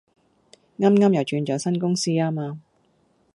啱啱又轉咗新公司呀嘛